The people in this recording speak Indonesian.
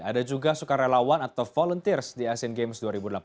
ada juga sukarelawan atau volunteers di asian games dua ribu delapan belas